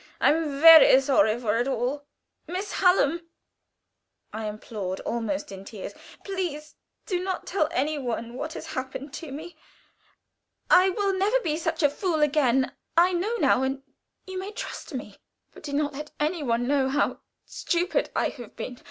I am very sorry for it all." "Miss Hallam," I implored, almost in tears, "please do not tell any one what has happened to me. I will never be such a fool again. I know now and you may trust me. But do not let any one know how stupid I have been.